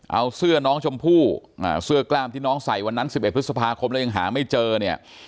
เอาเสื้อน้องชมพู่เสื้อกล้ามที่น้องใส่วันนั้น๑๑พฤษภาคมแล้วยังหาไม่เจอเนี่ย